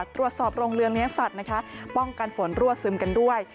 ตรวจสอบโรงเรือเลี้ยงสัตว์นะคะป้องกันฝนรั่วซึมกันด้วย